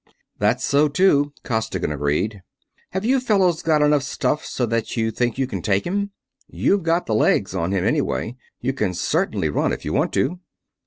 "That's so, too," Costigan agreed. "Have you fellows got enough stuff so that you think you can take him? You've got the legs on him, anyway you can certainly run if you want to!"